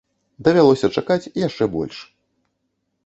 Давялося чакаць яшчэ больш.